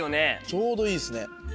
ちょうどいいっすね。